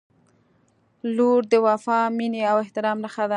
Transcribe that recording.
• لور د وفا، مینې او احترام نښه ده.